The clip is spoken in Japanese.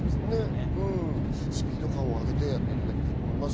スピード感を上げてやっていただきたいと思います。